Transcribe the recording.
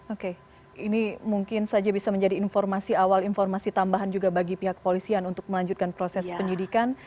oke ini mungkin saja bisa menjadi informasi awal informasi tambahan juga bagi pihak polisian untuk melanjutkan proses penyidikan